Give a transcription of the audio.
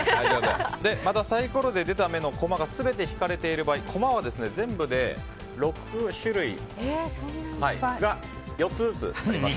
またサイコロで出た目のコマがすべて引かれている場合コマは全部で６種類が４つずつあります。